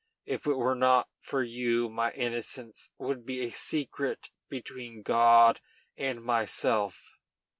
If it were not for you my innocence would be a secret between God and myself."